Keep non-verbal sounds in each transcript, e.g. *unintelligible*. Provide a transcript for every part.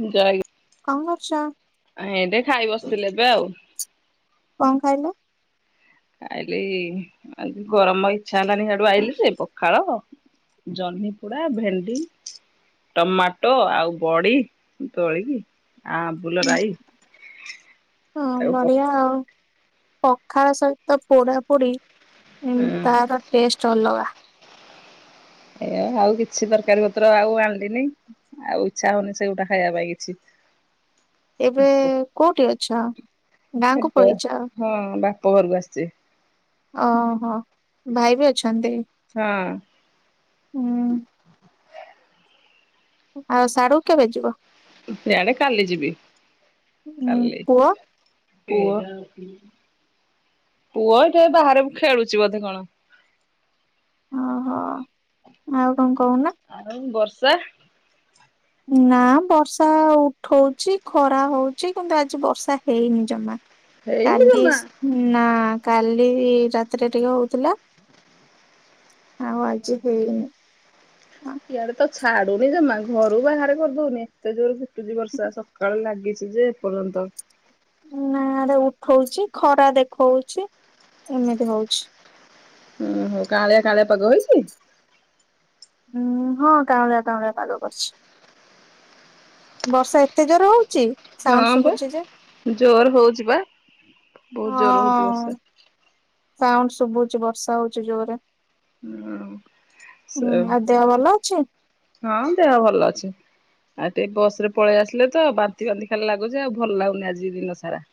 ମୁଁ ଯାଇ କଣ କରୁଛ? ଏଇଟି ଖାଇ ବସିଥିଲେ ଏବେ ଆଉ। କଣ ଖାଇଲ? ଖାଇଲି ଆ, ଗରମ ଇଚ୍ଛା ହେଲାନି ସିଆଡୁ ଆଇଲି ସେ ପଖାଳ ଜହ୍ନି ପୋଡା ଭେଣ୍ଡି ଟମାଟୋ ଆଉ ବଡ଼ି ଦୋଳିକି ଆ, ଆମ୍ବୁଲ ହୁଁ, ରାଇ। ହଁ ତାକୁ ପ ବଢିଆ ଆଉ ପଖାଳ ସହିତ ପୋଡାପୋଡି ଇନ୍ ହୁଁ। ତାର ଟେଷ୍ଟ ଅଲଗା। ସେୟା ଆଉ କିଛି ତରକାରୀ ପତ୍ର ଆଉ ଆଣିଲିନି ଆଉ ଇଚ୍ଛା ହଉନି ସେଉଡା ଖାଇବା ପାଇଁ କିଛି। ଏବେ କୋଉଠି ଅଛ? ଗାଁକୁ ଏବେ ପଳେଇଛ? ହଁ ବାପ ଘରକୁ ଆସିଛି। ଓହୋ, ଭାଇ ବି ଅଛନ୍ତି? ହଁ। ହୁଁ। ଆଉ ସାଡୁକୁ କେବେ ଯିବ? ସିଆଡେ କାଲି ଯିବି, ହୁଁ କାଲି। ପୁଅ? ପୁଅ ପୁଅ ଏଟେ ବାହାରେ ଖେଳୁଛି ବୋଧେ କଣ? ଓହୋ ଆଉ କଣ କହୁନା? ଆଉ ବର୍ଷା। ନା ବର୍ଷା ଉଠଉଛି ଖରା ହଉଛି କିନ୍ତୁ ଆଜି ବର୍ଷା ହେଇନି ଜମା ହେଇନି କାଲି ଜମା। ନା କାଲି ରାତିରେ ଟିକେ ହଉଥିଲା। ଆଉ ଆଜି ହୁଁ ହୁ। ହେଇନି। ଇଆଡେ ତ ଛାଡୁନି ଜମା ଘରୁ ବାହାରେ କରିଦଉନି ଏତେ ଜୋର ଟୁଛି ବର୍ଷା ସକାଳେ ଲାଗିଛି ଯେ ଏପର୍ଯ୍ୟନ୍ତ। ନା ଉଠଉଛି ଖରା ଦେଖଉଛି ଏମିତି ହଉଛି। ଓହୋ କାଳିଆ କାଳିଆ ପାଗ ହେଇଛି। ଉୁଁ ହଁ କାଁଉଳିଆ କାଉଁଳିଆ ପାଗ କରିଛି। ବର୍ଷା ଏତେ ଜୋର ହଉଛି। ସାଉଣ୍ଡ ହଁ ବା ଶୁଭୁଛି ଯେ ଜୋର୍ ହଉଛି ବା ବହୁତ ଜୋର୍ ହଉଛି ବର୍ଷା। ସାଉଣ୍ଡ୍ ସୁବୁଚି ବର୍ଷା ହଉଛି ଜୋରେ। ହୁଁ ସେ ହୁଁ ଆଉ ଦେହ ଭଲ ଅଛି। ହଁ ଦେହ ଭଲ ଅଛି। ଆଉ ଟିକେ ବସ ରେ ପଳେଇ ଆସିଲେ ତ ବାନ୍ତି ବାନ୍ତି ଖାଲି ଲାଗୁଛେ ଆଉ ଭଲ ଲାଗୁନି ଆଜି ଦିନ ସାରା।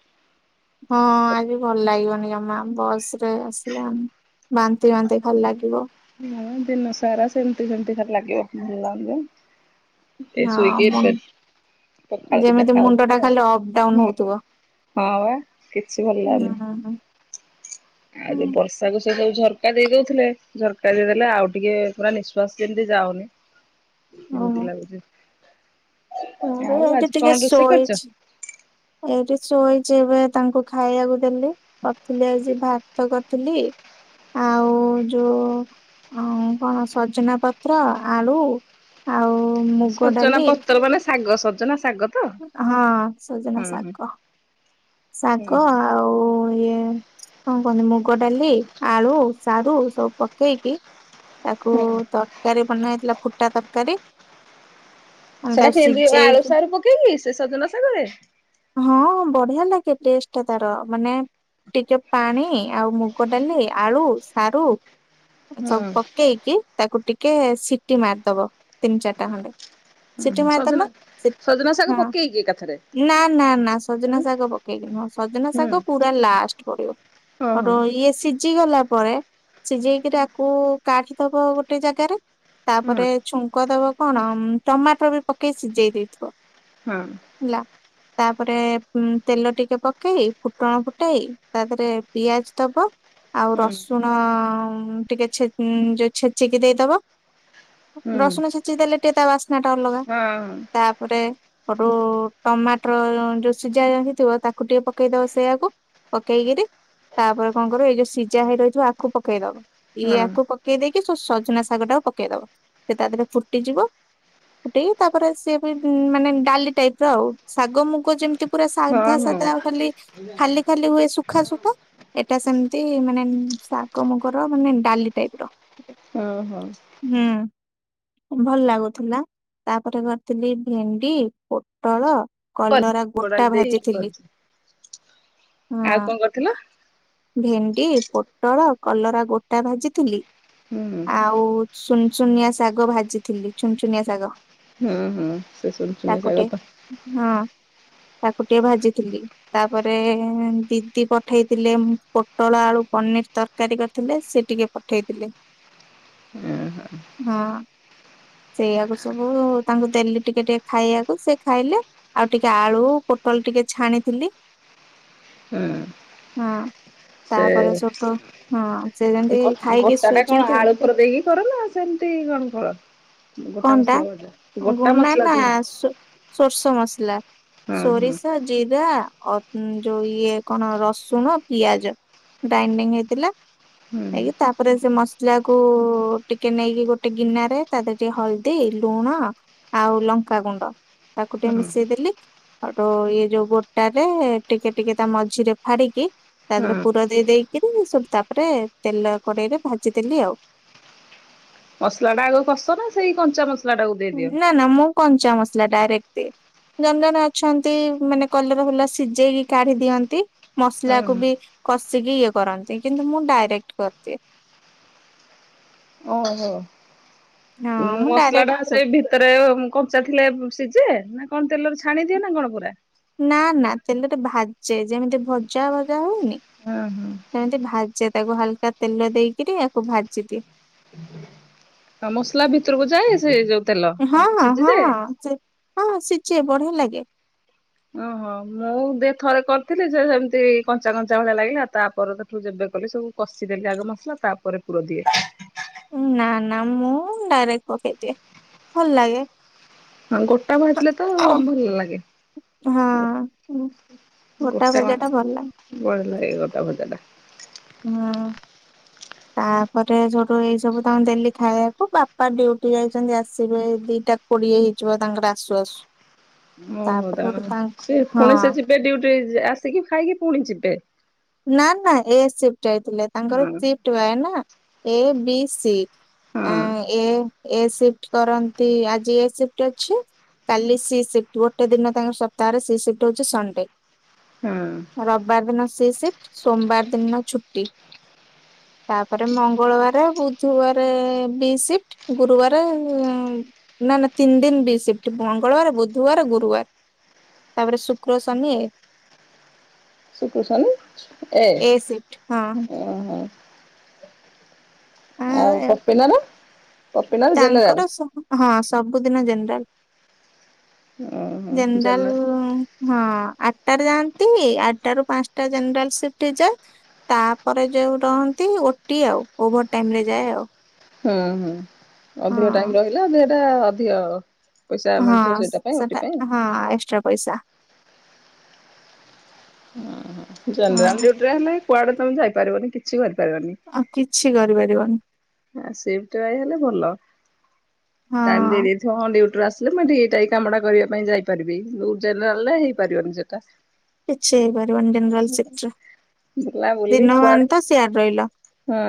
ହଁ ଆଜି ଭଲ ଲାଗିବନି ଜମା ବସ୍ ରେ ଆସିଲେ ଆଣି ବାନ୍ତି ବାନ୍ତି ଭଲ ଲାଗିବ। ହଁ ଦିନ ସାରା ସେମିତି ସେମିତି ଥରେ ଲାଗିବ। ଏ ହଁ ସ୍ଵଗି ମୁ ପଖାଳ ଦିଟା ଯେମିତି ମୁଣ୍ଡ ଟା ଖାଉଥିଲେ ଖାଲି ଅପ୍ ଡାଉନ ଆଉ ହଉଥିବ। ହଁ ବା କିଛି ଭଲ ଲାଗୁନି ହୁଁ ଆଉ ଯଉ ହୁଁ ବର୍ଷା ତାକୁ ସେ ସବୁ ଝଟକା ଦେଇ ଦଉଥିଲେ। ସରକାରୀ ଦେଲେ ଆଉ ଟିକେ ପୁରା ନିଶ୍ୱାସ ଯେମତି ଯାଉନି ଏମିତି ଲାଗୁଛି। ହଁ ଭ ଆଉ ଏଇଟା ଆଜି କଣ ଟିକେ ରୋଷେଇ କରିଛ? ଶୋଇଛି। ଏଇଠି ଶୋଇଛି ଏବେ ତାଙ୍କୁ ଖାଇବାକୁ ଦେଲି। କରିଥିଲି ଆଜି ଭାତ କରିଥିଲି ଆଉ ଯଉ ହଁ କଣ ସଜନା ପତ୍ର ଆଳୁ ଆଉ ମୁଗ ସଜନା ଡାଲି ପତ୍ର ମାନେ ଶାଗ ସଜନା ଶାଗ। ତ ହଁ ସଜନା ହୁଁ ହୁଁ। ଶାଗ ହୁଁ ଶାଗ ହୁଁ। ଆଉ ଇଏ କଣ କୁହନ୍ତି ମୁଗ ଡାଲି ଆଳୁ ସାରୁ ସବୁ ପକେଇକି ସେ ତାକୁ ହୁଁ ତରକାରୀ ବନା ହେଇଥିଲା ଫୁଟା ତରକାରୀ। ଆମେ ସେଟା ତାକୁ କେମିତି ଆଳୁ ସିଝେଇକି ସାରୁ ପକେଇକି ସେ ସଜନ ସାଗ ରେ। ହଁ ବଢିଆ ଲାଗେ ଟେଷ୍ଟ ଟା ତାର ମାନେ ଟିକେ ପାଣି ଆଉ ମୁଗ ଡାଲି ଆଳୁ ସାରୁ। ହୁଁ। ସବୁ ପକେଇକି ତାକୁ ଟିକେ ସିଟି ମାରିଦବ ତିନି ଚାରିଟା। ସିଟି ହୁଁ ମାରି ସଜନା ଦେଲ ସଜନା ଶାଗ ହଁ ପକେଇକି ଏକାଥରେ ନା ନା ନା ସଜନା ହୁଁ ଶାଗ ପକ ସଜନା ହୁଁ। ଶାଗ ପୁରା ଲାଷ୍ଟ ହଁ ପଡିବ ହଁ ଇଏ ସିଝି ଗଲା ପରେ। ସିଝେଇକିରି ଆକୁ କାଢି ଦବ ଗୋଟେ ଜାଗାରେ ତାପରେ ହଁ ଛୁଙ୍କ ଦବ। କଣ ଟମାଟର ବି ପକେଇ ସିଝେଇ ଦେଇଥିବ। ହୁଁ ହେଲା ତାପରେ ତେଲ ଟିକେ ପକେଇ ଫୁଟଣ ଫୁଟାଇ ତା ଦେହରେ ପିଆଜ ଦବ ଆଉ ହୁଁ ରସୁଣ। ହଁ ଟିକେ ଛେ ଯୋଉ ଛେଚିକି ଦେଇଦବ। ହୁଁ ରସୁଣ ଛେଚି ଦେଲେ ଟିକେ ତା ବାସ୍ନା ଟା ଅଲଗା ହଁ ହଁ। ତାପରେ ଗଟୁ ଟମାଟର ଯୋଉ ସିଝା ଯା ଥିବ ତାକୁ ଟିକେ ପକେଇ ଦବ ସେଇୟଆକୁ ପକେଇକିରି ତାପରେ କଣ କରିବ ଏଇ ଯୋଉ ସିଝା ହେଇ ରହିଥିବ ଆକୁ ପକେଇ ଦବ ଇଏ ଆକୁ ପକେଇ ଦେଇକି ସଜନା ଶାଗ ଟାକୁ ପକେଇଦବା ସେ ତା ଦେହରେ ଫୁଟିଯିବ। ଗୋଟେ ତାପରେ ସେ ମାନେ ଡାଲି ଟାଇପ ର ଆଉ ଶାଗ ମୁଗ ଯେମିତି ପୁରା ହଁ ସାଧା ହଁ ସାଧା ଆଉ ଖାଲି, ଖାଲି ଖାଲି ହୁଏ ସୁଖା ସୁୁଖା। ଏଟା ସେମତି ମାନେ ଶାଗ ମୁଗର ମାନେ ଡାଲି ଟାଇପ୍ ର। ହଁ ହଁ। ହୁଁ ଭଲ ଲାଗୁଥିଲା। ତାପରେ କରିଥିଲି ଭେଣ୍ଡି, ପୋଟଳ, କଲରା ଗୋଟା *unintelligible* ଭାଜିଥିଲି ଆଉ କଣ କରୁଥିଲ? ହଁ। ଭେଣ୍ଡି, ପୋଟଳ, କଲରା ଗୋଟା ଭାଜିଥିଲି। ହୁଁ। ଆଉ ସୁନ୍ ସୁନିଆ ଶାଗ ଭାଜିଥିଲି ଛୁନ୍ ଛୁନିଆ ଶାଗ। ହୁଁ ହୁଁ। ସେ ସୁନ୍ ସୁନିଆ ତାକୁ ଟିକେ ଶାଗ ତ ହଁ। ତାକୁ ଟିକେ ଭାଜିଥିଲି। ତାପରେ ଦିଦି ପଠେଇଥିଲେ ପୋଟଳ ଆଳୁ ପନିର ତରକାରୀ କରିଥିଲେ। ସେ ଟିକେ ପଠେଇଥିଲେ ହଁ ହଁ। ସେଇଆକୁ ସବୁ ତାଙ୍କୁ ଦେଲି ଟିକେ ଟିକେ ଖାଇବାକୁ। ସେ ଖାଇଲେ। ଆଉ ଟିକେ ଆଳୁ ପୋଟଳ ଟିକେ ଛାଣିଥିଲି। ହଁ। ହଁ। ତାପରେ *unintelligible* ହଁ। ସେ ଏ ଯେମିତି ଗୋ ଖାଇକି ଗୋଟା ଟା କଣ ଶୋଇଛନ୍ତି ଆଉ ଆଳୁ ପୁର ଦେଇକି କର ନା ସେମିତି କଣ କର? ଗୋଟା କଣ ଟା? ମସଲା ଭଜା ଗୁ ଗୋଟା ନା ମସଲା ନା ଯୋଉ ସୋରିଷ ମସଲା। ହଁ ସୋରି ହଁ ଷ, ଜିରା ଅ ଯୋଉ ଇଏ କଣ ରସୁଣ ପିଆଜ। ଗ୍ରାଇଣ୍ଡିଙ୍ଗ ହେଇଥିଲା। ହୁଁ ହେଇକି ତାପରେ ସେ ମସଲା କୁ ଟିକେ ନେଇକି ଗୋଟେ ଗିନାରେ ତା ଦେ ଟିକେ ହଳଦୀ ଲୁଣ ଆଉ ଲଙ୍କାଗୁଣ୍ଡ ତାକୁ ଟିକେ ହୁଁ ମିଶେଇଦେଲି। ହେଠୁ ଇଏ ଯୋଉ ଗୋଟା ରେ ଟିକେ ଟିକେ ତା ମଝିରେ ଫାଡିକି ତା ଦେହରେ ହଁ। ପୁର ଦେଇ ଦେଇକିରି ସବୁ ତାପରେ ତେଲ କଡେଇରେ ଭାଜିଦେଲି ଆଉ। ମସଲା ଟା ଆଗ କସ ନା ସେଇ କଞ୍ଚା ମସ ନା ନା ମୁଁ କଞ୍ଚା ମସଲା ଡାଇରେକ୍ଟ। ଜଣେ ଜଣେ ଅଛନ୍ତି ମାନେ କଲରା ହେଲା ସିଝେଇକି କାଢି ଦିଅନ୍ତି। ହଁ ମସଲା କୁ ହଁ ବି କଷିକି ଇଏ କରନ୍ତି। କିନ୍ତୁ ମୁଁ ଡାଇରେକ୍ଟ କରିଦିଏ। ଓହୋ। ହଁ ମୁଁ ମସଲା ଡାଇରେକ୍ଟ ଟା ସେଇ ଭିତରେ କଞ୍ଚା ଥିଲେ ସିଜେ? ନା କଣ ତେଲରେ ଛାଣିଦିଅ ନା କଣ ପୁରା? ନା ନା ତେଲ ଟେ ଭାଜେ। ଯେମିତି ଭଜା ଭଜା ହଉନି। ହଁ ହଁ। ସେମିତି ଭାଜେ ତାକୁ ହାଲକା ତେଲ ଦେଇକିରି ଆକୁ ଭାଜିଦିଏ। ଆ ମସଲା ଭିତରକୁ ଯାଏ ସେ ଯୋଉ ତେଲ ହଁ ହଁ ହଁ ସିଝିଯାଏ? ହଁ ସିଝେ ବଢିଆ ଲାଗେ। ଓହୋ। ମୁଁ ଦେ ଥରେ କରିଥିଲି ଯେ ସେମିତି କଞ୍ଚା କଞ୍ଚା ଭଳିଆ ଲାଗିଲା ତାପର ଠୁ ଯେବେ କଲି ସବୁ କଷିଦେଲି ଆଗ ମସଲା ତାପରେ ପୁର ଦିଏ। ନା ନା ମୁଁ ଡାଇରେକ୍ଟ ପକେଇ ଦିଏ। ଭଲ ଲାଗେ। ହଁ ଗୋଟା ଭାଜିଲେ ତ ଭଲ ଲାଗେ। ହଁ ଗୋଟା ଗୋଟା ଭଜା ଟା ଭଲ ଲଗେ। ଭଲ ଲାଗେ ଗୋଟା ଭଜା ଟା। ହଁ। ତାପରେ ସେଇଠୁ ଏଇ ସବୁ ତାଙ୍କୁ ଦେଲି ଖାଇବାକୁ। ବାପା ଡ୍ୟୁଟି ଯାଇଛନ୍ତି ଆସିବେ ଦିଟା କୋଡିଏ ହେଇଯିବ ତାଙ୍କର ଆସୁ ଆସୁ। ଓହୋ। ତାପରେ ଗୋଟେ ତାଙ୍କର ତାଙ୍କ ସେ ପୁଣି ସେ ହଁ ଯିବେ ଡ୍ୟୁଟି ଆସିକି ଖାଇକି ପୁଣି ଯିବେ। ନା ନା ଏ ସିଫ୍ଟ ଯାଇଥିଲେ। ତାଙ୍କର ହଁ ସିଫ୍ଟ ବାଏ ନା ଏ ବି ସି। ହଁ ଆଁ ଏ ଏ ସିପ୍ଟ କରନ୍ତି ଆଜି ଏ ସିଫ୍ଟ ଅଛି। କାଲି ସି ସିଫ୍ଟ। ଗୋଟେ ଦିନ ତାଙ୍କ ସପ୍ତାହରେ ସି ସିଫ୍ଟ ହଉଚି ସଣ୍ଡେ। ହୁଁ। ରବିବାର ଦିନ ସି ସିଫ୍ଟ, ସୋମବାର ଦିନ ଛୁଟି। ତାପରେ ମଙ୍ଗଳବାରେ, ବୁଧୁବାରେ ବି ସିପ୍ଟ। ଗୁରୁବାରେ ଉଁ ନା ନା ତିନି ଦିନ୍ ବି ସିପ୍ଟ। ମଙ୍ଗଳବାର, ବୁଧୁବାର, ଗୁରୁବାର। ତାପରେ ଶୁକ୍ର ଶନି ଶୁକ୍ରୁ, ଶନି ଏ। ଅହୋ। ଆଉ ହଁ ପପିନର? ପପିନର ଜେନେରାଲ୍। ତାଙ୍କର ହଁ ସବୁଦିନ ଜେନେରାଲ୍। ଓହୋ ଜେନେରାଲ୍ ଜେନେରାଲ ହଁ ଆଟାରେ ଯାଆନ୍ତି। ଆଟାରୁ ପାଞ୍ଚଟା ଜେନେରାଲ୍ ସିପ୍ଟ ହେଇଯାଏ। ତାପରେ ଯୋଉ ରହନ୍ତି ଓଟି ଆଉ। ଓଭର ଟାଇମ୍ ରେ ଯାଏ ଆଉ। ହୁଁ ହୁଁ। ଅଧିକ ଟାଇମ୍ ହଁ ରହିଲା ଏଇଟା ଅଧିକ ପଇସା ହଁ ମିଳୁଥିବ ସେଇଟା ପାଇଁ ଓଟି ସେଟା, ପାଇଁ ହଁ ଏକ୍ସଟ୍ରା ପଇସା। ଓହୋ। ହଁ ଜେନେରାଲ୍ ଡ୍ୟୁଟି ରେ ହେଲେ, କୁଆଡେ ତମେ ଯାଇପାରିବନି, କିଛି କରିପାରିବନି। ଆଉ କିଛି କରିପାରିବନି। ସିପ୍ଟ ରହିଗଲେ ଭଲ। ଟାଇମ୍ ହଁ ଦେଇଦେଇ ହଁ ଡ୍ୟୁଟି ରୁ ଆସିଲେ ମୁଁ ଏଇଠି ଏଇ କାମଟା କରିବା ପାଇଁ ଯାଇପାରିବି। *unintelligible* ଡେରିରେ ଆଣିଲେ ହେଇପାରିବନି ସେଇଟା। କିଛି ହେଇପାରିବନି ଜେନେରାଲ୍ ଶିଫ୍ଟ ରେ। ବୁଲା ବୁଲି ଦିନବାନ୍ କୁଆଡେ ତ ସିଆଡେ ରହିଲ। ହଁ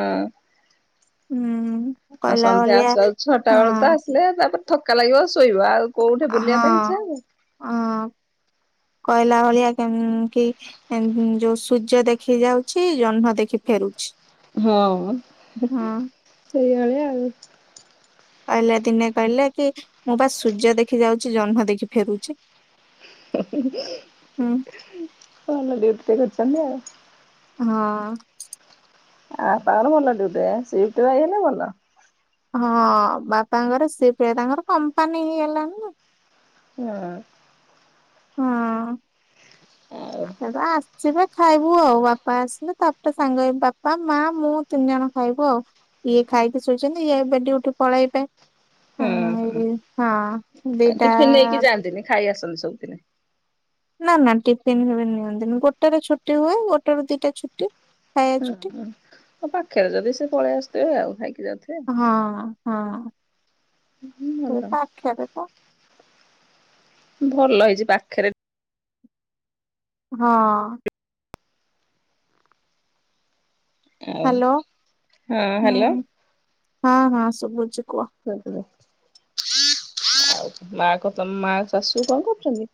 ହୁଁ। ଆଉ କହିଲା ସନ୍ଧ୍ୟା ଭଳିଆ ଆସୁ ଆସୁ ଛଅଟା ବେଳ ତ। ହଁ ହେଲେ ତାପରେ ଥକ୍କା ଲାଗିବ ଶୋଇବ, ଆଉ କୋଉଠି ବୁଲିବା ପାଇଁ ଇଚ୍ଛା ହବ। ଆଁ କହିଲା ଭଳିଆ କେମ୍ କି ଏନ୍ ହୁଁ ଯୋଉ ସୂର୍ଯ୍ୟ ଦେଖି ଯାଉଛି। ଜହ୍ନ ଦେଖି ଫେରୁଛି। ହଁ, ହଁ ସେଇଭଳିଆ ଆଉ। ଆଇଲେ ଦିନେ କହିଲେ କି, ମୁଁ ବା ସୂର୍ଯ୍ୟ ଦେଖି ଯାଉଛି ଜହ୍ନ ଦେଖି ଫେରୁଛି। ହୁଁ ଭଲ ଡ୍ୟୁଟି ଟେ କରୁଛନ୍ତି ଆଉ। ହଁ। ଆ ତାର ଭଲ ଡ୍ୟୁଟି ରେ, ସିଫ୍ଟ ରହିଗଲେ ଭଲ। ହଁ ବାପାଙ୍କର, ସିଫ୍ଟ ତାଙ୍କର କମ୍ପାନୀ ହେଇଗଲାଣି ନା। ହଁ। ହଁ, ଆଉ ସେଗୁଡା ଆସିବେ। ଖାଇବୁ ଆଉ ବାପା ଆସିଲେ, ତାପରେ ସାଙ୍ଗ ହେଇ ବାପା ମା ମୁଁ ତିନି ଜଣ ଖାଇବୁ ଆଉ। ଇଏ ଖାଇକି ଶୋଇଛନ୍ତି। ଇଏ ଏବେ ଡ୍ୟୁଟି ପଳେଇବେ। ହୁଁ ଏଇ ହଁ ହୁଁ। ଦିଟା ଟିଫିନ୍ ନେଇକି ଯାଆନ୍ତିନି, ଖାଇ ଆସନ୍ତି ସବୁଦିନେ। ନା ନା, ଟିଫିନ୍ ଫିପିନ୍ ନିଅନ୍ତିନି। ଗୋଟେରେ ଛୁଟି ହୁଏ। ଗୋଟେ ରୁ ଦିଟା ଛୁ ହୁଁ ହୁଁ। ଆଉ ପାଖରେ ଯଦି ସେ ପଳେଇ ଆସିଥିବେ, ଆଉ ଖାଇକି ଯାଉଥିବେ। ହଁ ହଁ। ସେଇ ଭଲ ପାଖେରେ ତ। ଭଲ ହେଇଛି ପାକ୍ଷେରେ ହଁ। ଆଉ ହାଲୋ। ହଁ ହୁଁ। ହଁ ହଁ, ଶୁଭୁଚି କୁହ। ଆଉ ମା ତ ମ ମା ଶାଶୁ କଣ କରୁଛନ୍ତି?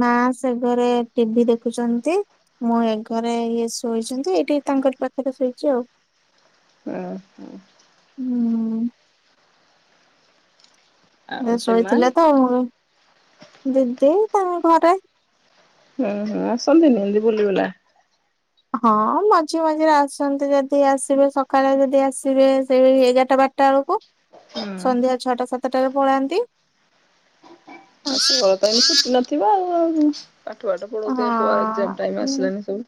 ମା ସେ ଘରେ ଟିଭିି ଦେଖୁଛନ୍ତି। ମୁଁ ଏ ଘରେ ଇଏ ଶୋଇଛନ୍ତି। ଏଇଠି ତାଙ୍କରି ପାଖରେ ଶୋଇଛି ଆଉ। ହୁଁ ହଁ। ହୁଁ। ଆଉ ଇଏ ସେ ମା ଶୋଇଥିଲେ ତ, ଦିଦି ତାଙ୍କ ଘରେ। ହୁଁ ହୁଁ ଆସନ୍ତିନି ଏମିତି ବୁଲିବୁଲା? ହଁ ମଝି ମଝିରେ ଆସନ୍ତି ଯଦି ଆସିବେ ସକାଳେ ଯଦି ଆସିବେ ସେଇ ଏଗାରଟା ବା ଟା ବେଳକୁ, ହୁଁ। ସନ୍ଧ୍ୟା ଛଅଟା ସାତଟାରେ ପଳାନ୍ତି। ହଁ ପାଇଁ ଛୁଟି ନଥିବ, ଆଉ ପାଠ ପାଠ ପଢଉଥିବେ, ପୁଅ ଏକ୍ସାମ ଟାଇମ୍ ଆସିଲାନି ସବୁ।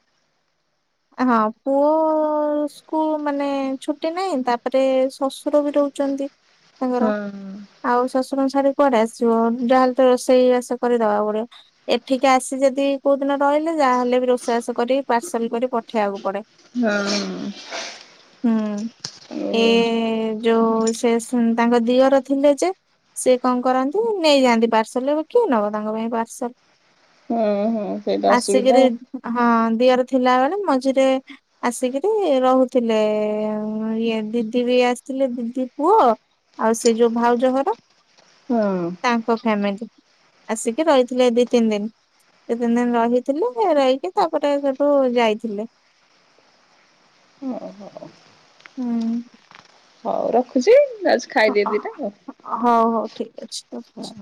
ହଁ ପୁଅ ସ୍କୁଲମାନେ ଛୁଟି ନାହିଁ ତାପରେ ଶଶୁର ବି ରହୁ ଛନ୍ତି ତାଙ୍କର। ହଁ ଆଉ ଶଶୁରଙ୍କୁ ଛାଡି କୁଆଡେ ଆସିବ, ଯାହାହେଲେ ତ ରୋଷେଇ ବାସ କରି ଦବାକୁ ପଡିବ। ଏଠିକି ଆସି ଯଦି କୋଉ ଦିନ ରହିଲେ ଯାହାହେଲେ ବି ରୋଷେଇବାସ କରି ପାର୍ସଲ କରି ପଠେଇବାକୁ ପଡେ। ହଁ। ହୁଁ ଓ ଏ ଯୋଉ ସେ ସି ତାଙ୍କ ଦିଅର ଥିଲେ ଯେ ସେ କଣ କରନ୍ତି ନେଇଯାଆନ୍ତି ପାର୍ସଲ ଏବେ କିଏ ନବ ତାଙ୍କ ପାଇଁ ପାର୍ସଲ। ହୁଁ ହୁଁ ସେଇଟା ଆସିକିରି ଅସୁବିଧା। ହଁ ଦିଅର ଥିଲା ବେଳେ ମଝିରେ ଆସିକିରି ରହୁଥିଲେ। ଇଏ ଦିଦି ବି ଆସିଥିଲେ ଦିଦି ପୁଅ ଆଉ ସେ ଯୋଉ ଭାଉଜ ଘର ହଁ। ତାଙ୍କ ଫ୍ୟାମିଲି ଆସିକି ରହିଥିଲେ ଏ ଦି ତିନି ଦିନ। ସେ ତିନି ଦିନ ରହିଥିଲେ ରହିକି ତାପରେ ସେଠୁ ଯାଇଥିଲେ। ଓହୋ। ହୁଁ। ହଉ ରଖୁଛି ଯାଉଛି ହ ଖାଇଦିଏ ହ ଦିଟା ଆଉ। ହଉ ହଉ ଠିକ ଅଛି ରଖୁଛି।